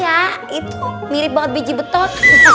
ya itu mirip banget biji beton